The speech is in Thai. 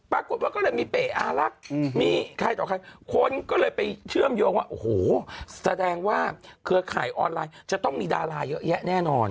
ปรากฏว่าก็เลยมีเป๋อารักษ์มีใครต่อใครคนก็เลยไปเชื่อมโยงว่าโอ้โหแสดงว่าเครือข่ายออนไลน์จะต้องมีดาราเยอะแยะแน่นอน